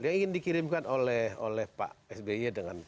yang ingin dikirimkan oleh pak sbe dengan